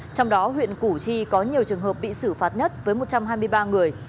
trong đó huyện củ chi có nhiều trường hợp bị xử phạt nhất với một trăm hai mươi ba người